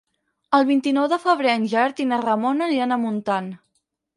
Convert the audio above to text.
El vint-i-nou de febrer en Gerard i na Ramona aniran a Montant.